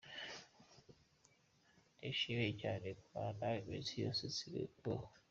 Nishimiye cyane kumarana nawe iminsi yose nsigaje kubaho !